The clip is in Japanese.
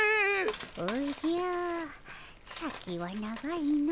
おじゃ先は長いの。